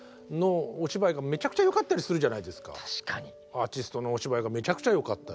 アーティストのお芝居がめちゃくちゃよかったり。